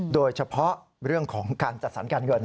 โดยเฉพาะเรื่องของการจัดสรรการเงิน